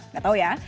gak tau ya